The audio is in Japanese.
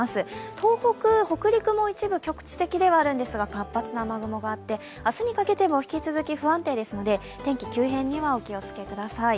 東北、北陸も一部、局地的ではありますが活発な雨雲があって、明日にかけても引き続き不安定ですので、天気急変にはお気をつけください。